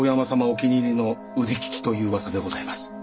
お気に入りの腕利きという噂でございます。